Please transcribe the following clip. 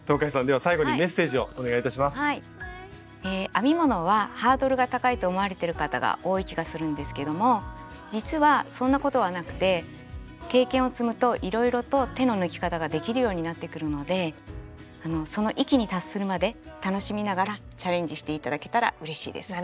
編み物はハードルが高いと思われてる方が多い気がするんですけども実はそんなことはなくて経験を積むといろいろと手の抜き方ができるようになってくるのでその域に達するまで楽しみながらチャレンジして頂けたらうれしいです。